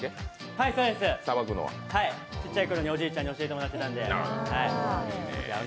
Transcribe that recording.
はい、そうです、ちっちゃい頃におじいちゃんに教えてもらってたんで。